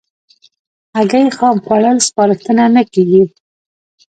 هګۍ خام خوړل سپارښتنه نه کېږي.